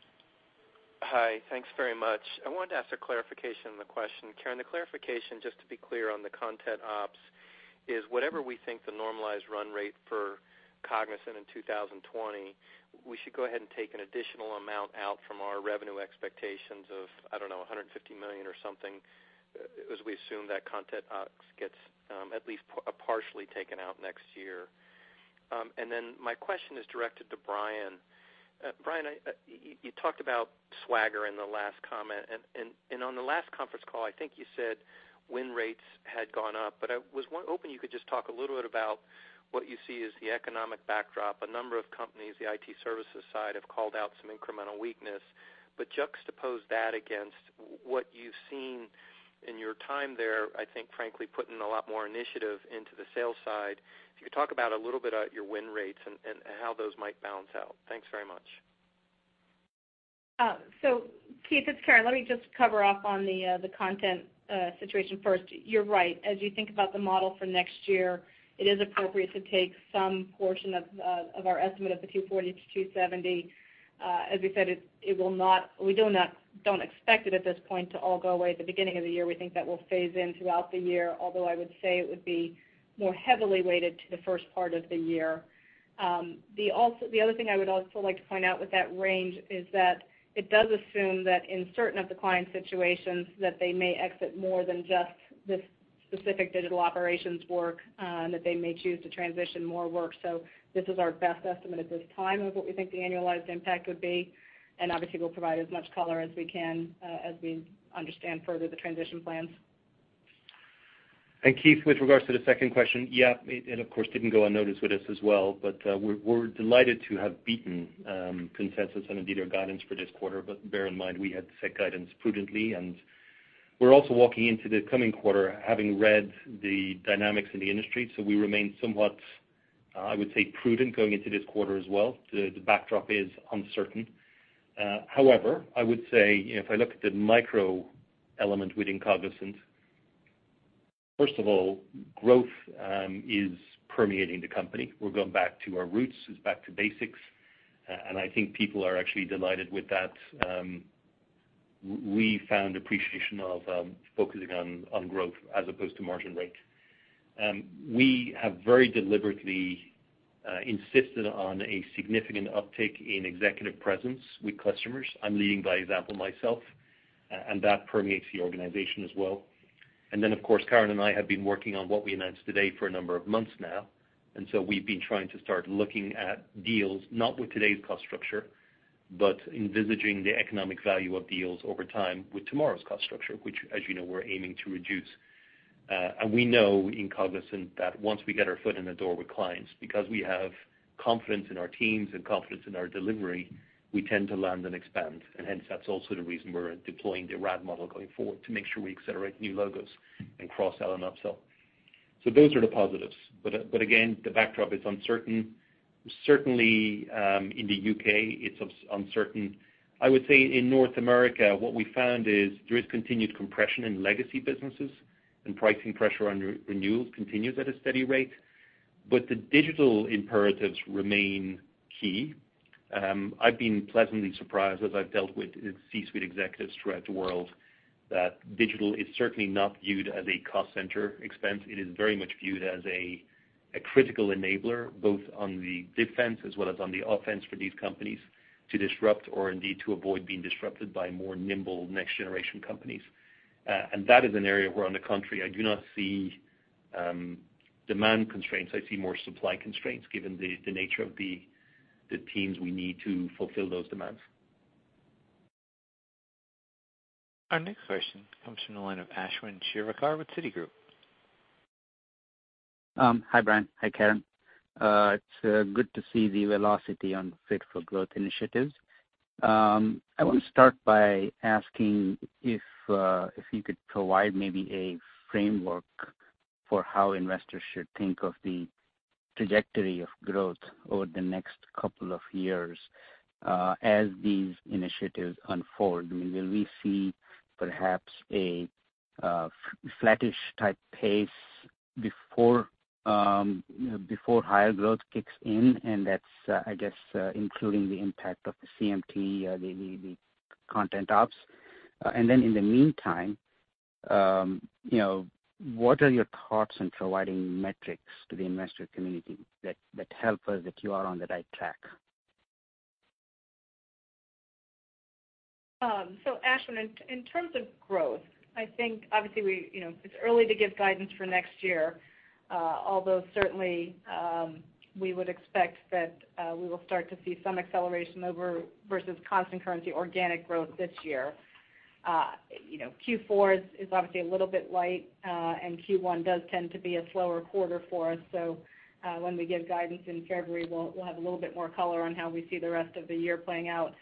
Speaker 8: Hi. Thanks very much. I wanted to ask a clarification on the question. Karen, the clarification, just to be clear on the content ops, is whatever we think the normalized run rate for Cognizant in 2020, we should go ahead and take an additional amount out from our revenue expectations of, I don't know, $150 million or something, as we assume that content ops gets at least partially taken out next year. My question is directed to Brian. Brian, you talked about swagger in the last comment, on the last conference call, I think you said win rates had gone up. I was hoping you could just talk a little bit about what you see as the economic backdrop. A number of companies, the IT services side, have called out some incremental weakness. Juxtapose that against what you've seen in your time there, I think, frankly, putting a lot more initiative into the sales side. If you could talk about a little bit about your win rates and how those might balance out. Thanks very much.
Speaker 4: Keith, it's Karen. Let me just cover off on the content situation first. You're right. As you think about the model for next year, it is appropriate to take some portion of our estimate of the $240-$270. As we said, we don't expect it at this point to all go away at the beginning of the year. We think that will phase in throughout the year, although I would say it would be more heavily weighted to the first part of the year. The other thing I would also like to point out with that range is that it does assume that in certain of the client situations that they may exit more than just this specific digital operations work, and that they may choose to transition more work. This is our best estimate at this time of what we think the annualized impact would be, and obviously, we'll provide as much color as we can as we understand further the transition plans.
Speaker 3: Keith, with regards to the second question, yeah, it of course, didn't go unnoticed with us as well. We're delighted to have beaten consensus and indeed our guidance for this quarter. Bear in mind, we had set guidance prudently, and we're also walking into the coming quarter having read the dynamics in the industry. We remain somewhat, I would say, prudent going into this quarter as well. The backdrop is uncertain. I would say if I look at the micro element within Cognizant, first of all, growth is permeating the company. We're going back to our roots, it's back to basics, and I think people are actually delighted with that. We found appreciation of focusing on growth as opposed to margin rate. We have very deliberately insisted on a significant uptick in executive presence with customers. I'm leading by example myself, and that permeates the organization as well. Then, of course, Karen and I have been working on what we announced today for a number of months now, so we've been trying to start looking at deals, not with today's cost structure, but envisaging the economic value of deals over time with tomorrow's cost structure, which, as you know, we're aiming to reduce. We know in Cognizant that once we get our foot in the door with clients, because we have confidence in our teams and confidence in our delivery, we tend to land and expand. Hence, that's also the reason we're deploying the RAD model going forward to make sure we accelerate new logos and cross-sell and upsell. Those are the positives. Again, the backdrop is uncertain. Certainly, in the U.K., it's uncertain. I would say in North America, what we found is there is continued compression in legacy businesses and pricing pressure on renewals continues at a steady rate, but the digital imperatives remain key. I've been pleasantly surprised as I've dealt with C-suite executives throughout the world that digital is certainly not viewed as a cost center expense. It is very much viewed as a critical enabler, both on the defense as well as on the offense for these companies to disrupt or indeed to avoid being disrupted by more nimble next-generation companies. That is an area where, on the contrary, I do not see demand constraints. I see more supply constraints given the nature of the teams we need to fulfill those demands.
Speaker 1: Our next question comes from the line of Ashwin Shirvaikar with Citigroup.
Speaker 9: Hi, Brian. Hi, Karen. It's good to see the velocity on Fit for Growth initiatives. I want to start by asking if you could provide maybe a framework for how investors should think of the trajectory of growth over the next couple of years as these initiatives unfold. Will we see perhaps a flattish-type pace before higher growth kicks in? That's, I guess, including the impact of the CMT, the content ops. In the meantime, what are your thoughts on providing metrics to the investor community that help us that you are on the right track?
Speaker 4: Ashwin, in terms of growth, I think obviously it's early to give guidance for next year, although certainly, we would expect that we will start to see some acceleration over versus constant currency organic growth this year. Q4 is obviously a little bit light, and Q1 does tend to be a slower quarter for us. When we give guidance in February, we'll have a little bit more color on how we see the rest of the year playing out.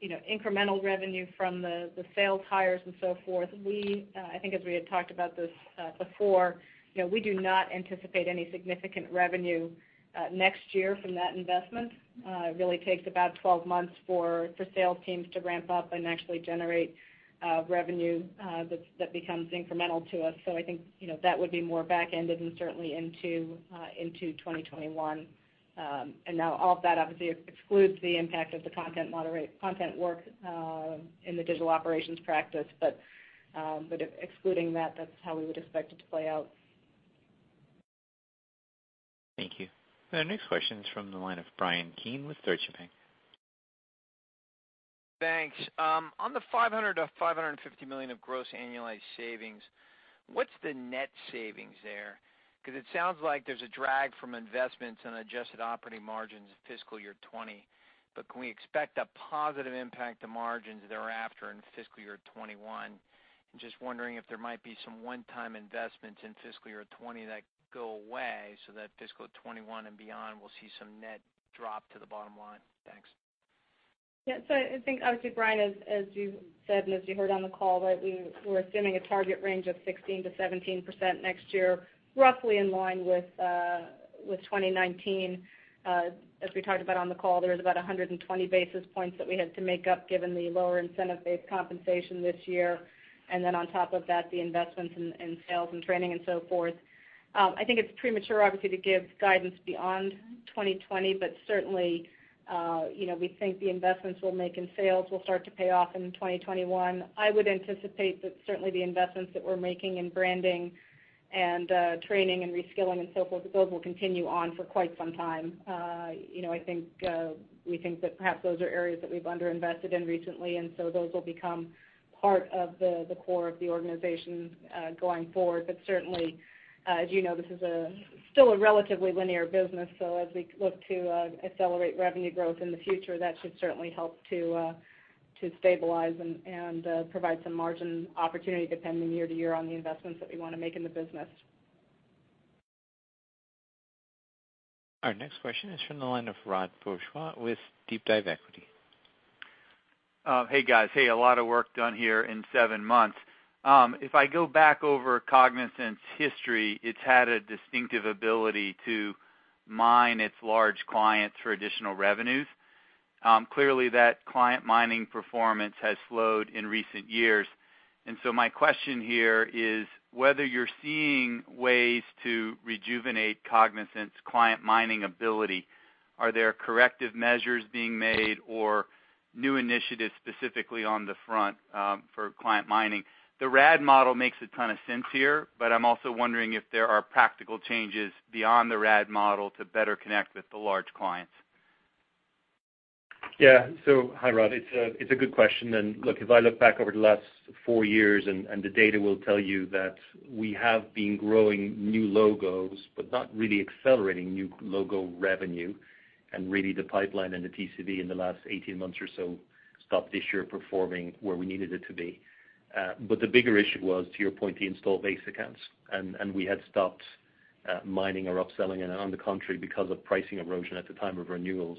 Speaker 4: In terms of incremental revenue from the sales hires and so forth, I think as we had talked about this before, we do not anticipate any significant revenue next year from that investment. It really takes about 12 months for sales teams to ramp up and actually generate revenue that becomes incremental to us. I think that would be more back-ended and certainly into 2021. Now all of that obviously excludes the impact of the content work in the digital operations practice. Excluding that's how we would expect it to play out.
Speaker 1: Thank you. Our next question is from the line of Bryan Keane with Deutsche Bank.
Speaker 10: Thanks. On the $500 million-$550 million of gross annualized savings, what's the net savings there? Because it sounds like there's a drag from investments on adjusted operating margins in fiscal year 2020, but can we expect a positive impact to margins thereafter in fiscal year 2021? I'm just wondering if there might be some one-time investments in fiscal year 2020 that go away so that fiscal 2021 and beyond will see some net drop to the bottom line. Thanks.
Speaker 4: Yeah. I think obviously, Bryan, as you said, and as you heard on the call that we're assuming a target range of 16%-17% next year, roughly in line with 2019. As we talked about on the call, there was about 120 basis points that we had to make up given the lower incentive-based compensation this year, on top of that, the investments in sales and training and so forth. I think it's premature, obviously, to give guidance beyond 2020, but certainly, we think the investments we'll make in sales will start to pay off in 2021. I would anticipate that certainly the investments that we're making in branding and training and reskilling and so forth, those will continue on for quite some time. We think that perhaps those are areas that we've under-invested in recently. Those will become part of the core of the organization going forward. Certainly, as you know, this is still a relatively linear business. As we look to accelerate revenue growth in the future, that should certainly help to stabilize and provide some margin opportunity depending year to year on the investments that we want to make in the business.
Speaker 1: Our next question is from the line of Rod Bourgeois with DeepDive Equity Research.
Speaker 11: Hey, guys. Hey, a lot of work done here in seven months. If I go back over Cognizant's history, it's had a distinctive ability to mine its large clients for additional revenues. Clearly, that client mining performance has slowed in recent years. My question here is whether you're seeing ways to rejuvenate Cognizant's client mining ability. Are there corrective measures being made or new initiatives specifically on the front for client mining? The RAD model makes a ton of sense here, but I'm also wondering if there are practical changes beyond the RAD model to better connect with the large clients.
Speaker 3: Hi, Rod, it's a good question. Look, if I look back over the last four years, and the data will tell you that we have been growing new logos, but not really accelerating new logo revenue, and really the pipeline and the TCV in the last 18 months or so stopped this year performing where we needed it to be. The bigger issue was, to your point, the installed base accounts, and we had stopped mining or upselling. On the contrary, because of pricing erosion at the time of renewals,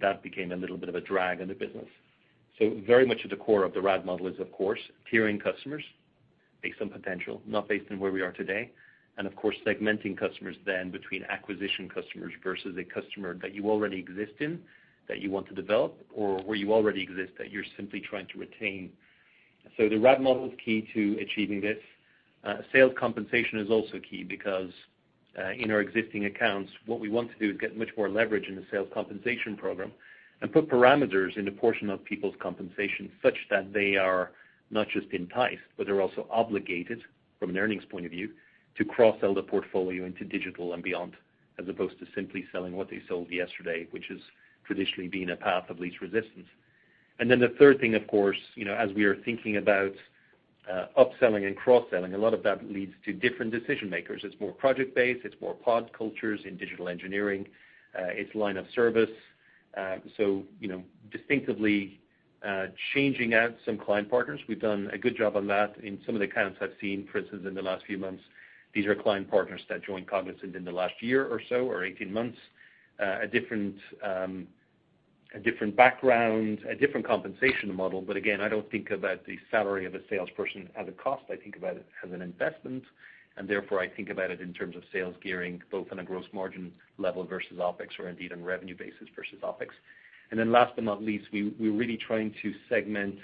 Speaker 3: that became a little bit of a drag in the business. Very much at the core of the RAD model is, of course, tiering customers based on potential, not based on where we are today, and of course, segmenting customers then between acquisition customers versus a customer that you already exist in, that you want to develop, or where you already exist, that you're simply trying to retain. The RAD model is key to achieving this. Sales compensation is also key because, in our existing accounts, what we want to do is get much more leverage in the sales compensation program and put parameters in a portion of people's compensation, such that they are not just enticed, but they're also obligated from an earnings point of view to cross-sell the portfolio into digital and beyond, as opposed to simply selling what they sold yesterday, which has traditionally been a path of least resistance. The third thing, of course, as we are thinking about upselling and cross-selling, a lot of that leads to different decision-makers. It's more project-based. It's more pod cultures in digital engineering. It's line of service. Distinctively changing out some client partners. We've done a good job on that in some of the accounts I've seen, for instance, in the last few months. These are client partners that joined Cognizant in the last year or so, or 18 months. A different background, a different compensation model. Again, I don't think about the salary of a salesperson as a cost. I think about it as an investment, and therefore I think about it in terms of sales gearing, both on a gross margin level versus OpEx, or indeed on revenue basis versus OpEx. Then last but not least, we're really trying to segment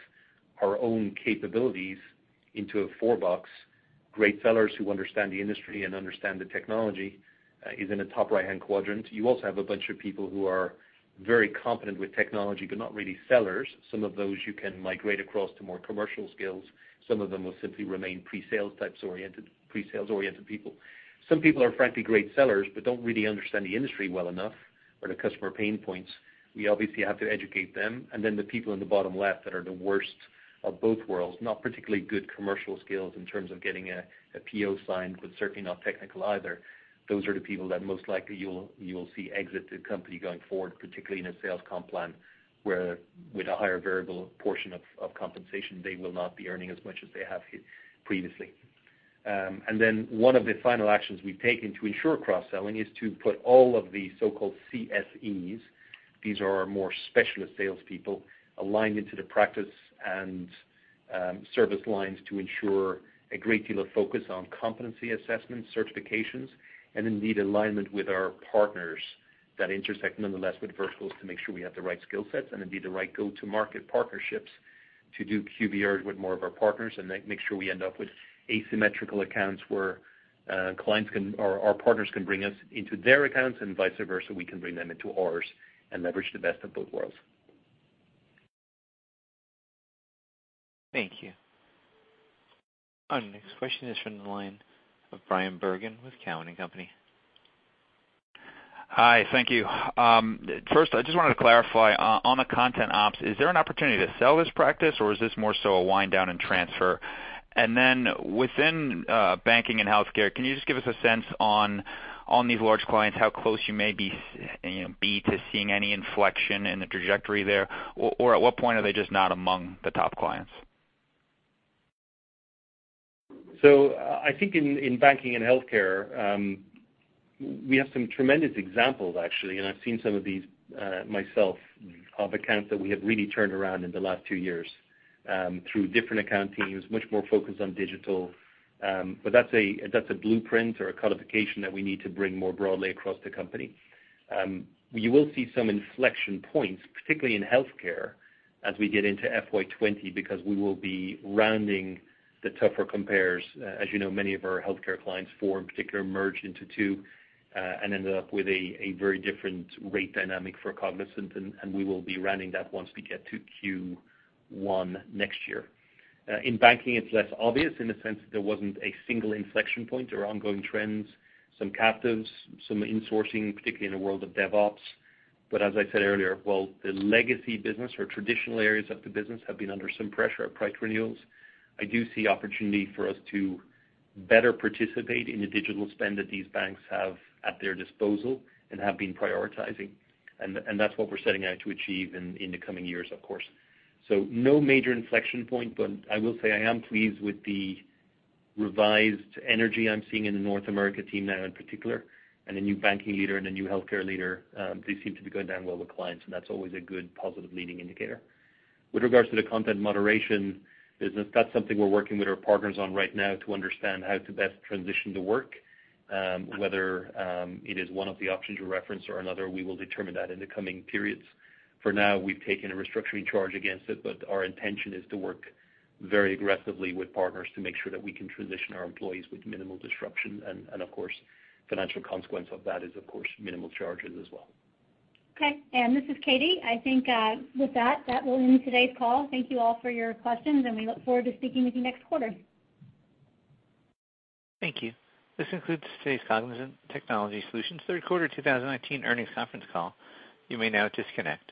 Speaker 3: our own capabilities into a four-box. Great sellers who understand the industry and understand the technology is in the top right-hand quadrant. You also have a bunch of people who are very competent with technology, but not really sellers. Some of those you can migrate across to more commercial skills. Some of them will simply remain pre-sales oriented people. Some people are frankly great sellers but don't really understand the industry well enough or the customer pain points. We obviously have to educate them. Then the people in the bottom left that are the worst of both worlds, not particularly good commercial skills in terms of getting a PO signed, but certainly not technical either. Those are the people that most likely you'll see exit the company going forward, particularly in a sales comp plan where with a higher variable portion of compensation, they will not be earning as much as they have previously. One of the final actions we've taken to ensure cross-selling is to put all of the so-called CSEs, these are our more specialist salespeople, aligned into the practice and service lines to ensure a great deal of focus on competency assessments, certifications, and indeed alignment with our partners that intersect nonetheless with verticals to make sure we have the right skill sets and indeed the right go-to-market partnerships to do QBRs with more of our partners and make sure we end up with asymmetrical accounts where our partners can bring us into their accounts and vice versa, we can bring them into ours and leverage the best of both worlds.
Speaker 1: Thank you. Our next question is from the line of Bryan Bergin with Cowen and Company.
Speaker 12: Hi. Thank you. First, I just wanted to clarify on the content ops, is there an opportunity to sell this practice or is this more so a wind down and transfer? Within banking and healthcare, can you just give us a sense on these large clients, how close you may be to seeing any inflection in the trajectory there? Or at what point are they just not among the top clients?
Speaker 3: I think in banking and healthcare, we have some tremendous examples, actually, and I've seen some of these myself, of accounts that we have really turned around in the last two years, through different account teams, much more focused on digital. That's a blueprint or a codification that we need to bring more broadly across the company. You will see some inflection points, particularly in healthcare as we get into FY 2020, because we will be rounding the tougher compares. As you know, many of our healthcare clients, four in particular, merged into two, and ended up with a very different rate dynamic for Cognizant, and we will be rounding that once we get to Q1 next year. In banking, it's less obvious in the sense that there wasn't a single inflection point or ongoing trends, some captives, some insourcing, particularly in the world of DevOps. As I said earlier, while the legacy business or traditional areas of the business have been under some pressure at price renewals, I do see opportunity for us to better participate in the digital spend that these banks have at their disposal and have been prioritizing. That's what we're setting out to achieve in the coming years, of course. No major inflection point, but I will say I am pleased with the revised energy I'm seeing in the North America team now in particular, and a new banking leader and a new healthcare leader. They seem to be going down well with clients, and that's always a good positive leading indicator. With regards to the content moderation business, that's something we're working with our partners on right now to understand how to best transition the work, whether it is one of the options you referenced or another, we will determine that in the coming periods. For now, we've taken a restructuring charge against it, but our intention is to work very aggressively with partners to make sure that we can transition our employees with minimal disruption and, of course, financial consequence of that is, of course, minimal charges as well.
Speaker 2: Okay, this is Katie. I think with that will end today's call. Thank you all for your questions. We look forward to speaking with you next quarter.
Speaker 1: Thank you. This concludes today's Cognizant Technology Solutions third quarter 2019 earnings conference call. You may now disconnect.